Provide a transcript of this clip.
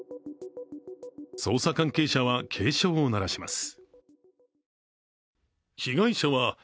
捜査関係者は警鐘を鳴らします。